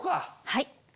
はい。